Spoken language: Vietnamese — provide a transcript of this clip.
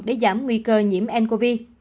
để giảm nguy cơ nhiễm ncov